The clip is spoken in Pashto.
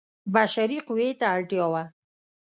بشري قوې ته اړتیا وه.